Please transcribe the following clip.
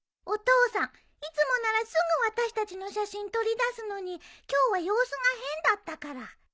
お父さんいつもならすぐ私たちの写真撮りだすのに今日は様子が変だったから。